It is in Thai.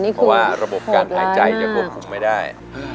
จะควบคุมไม่ได้